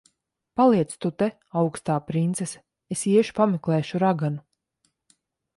Paliec tu te, augstā princese. Es iešu pameklēšu raganu.